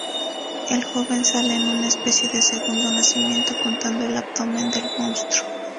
El joven sale en una especie de segundo nacimiento, cortando el abdomen del monstruo.